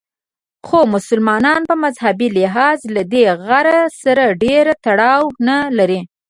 خو مسلمانان په مذهبي لحاظ له دې غره سره ډېر تړاو نه لري.